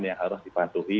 yang harus dipantuhi